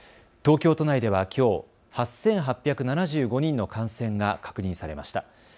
東京都内ではきょう８８７５人の感染が確認されました。